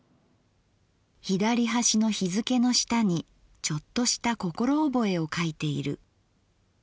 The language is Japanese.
「左端の日附の下にちょっとした心おぼえを書いている。